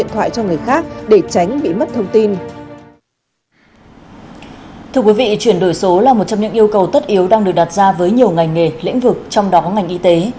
thưa quý vị chuyển đổi số là một trong những yêu cầu tất yếu đang được đặt ra với nhiều ngành nghề lĩnh vực trong đó có ngành y tế